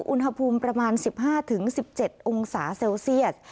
อุณหภูมิประมาณ๑๕๑๗องศาเซลเซียส